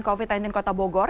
covid sembilan belas kota bogor